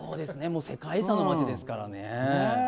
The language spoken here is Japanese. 世界遺産の町ですからね。